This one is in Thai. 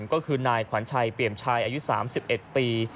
ก็คือนายขวัญชัยเปี่ยมชายอายุ๓๑ปี